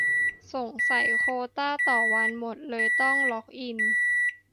สงสัยโควตาต่อวันหมด เลยต้องล็อกอิน